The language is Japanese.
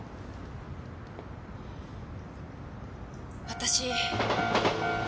私。